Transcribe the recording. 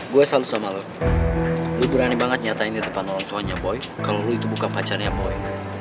gua salut sama lu berani banget nyatain di depan orang tuanya boy kalau itu bukan pacarnya boy